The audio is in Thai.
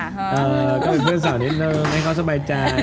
ก็คือเพื่อนสาวนิดนึงให้เขาสบายใจ